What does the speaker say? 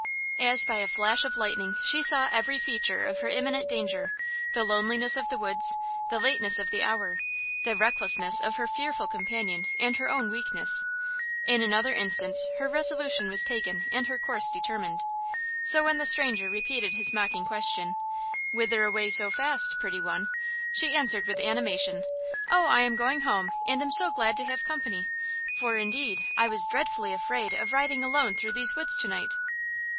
As by a flash of lightning she saw every feature of her imminent danger–the loneliness of the woods, the lateness of the hour, the recklessness of her fearful companion and her own weakness. In another instance her resolution was taken and her course determined. So, when the stranger repeated his mocking question: "Whither away so fast, pretty one?" she answered with animation: "Oh, I am going home, and so glad to have company; for, indeed, I was dreadfully afraid of riding alone through these woods to night."